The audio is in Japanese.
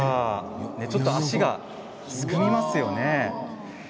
ちょっと足がすくみますよね。